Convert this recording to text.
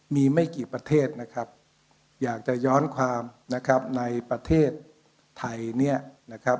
มีไม่กี่ประเทศนะครับอยากจะย้อนความนะครับในประเทศไทยเนี่ยนะครับ